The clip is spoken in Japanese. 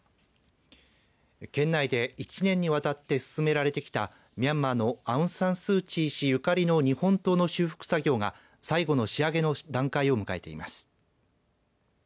県内で１年にわたって進められてきたミャンマーのアウン・サン・スー・チー氏ゆかりの日本刀の修復作業が最後の仕上げの段階を迎えています。